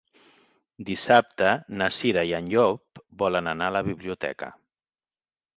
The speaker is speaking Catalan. Dissabte na Cira i en Llop volen anar a la biblioteca.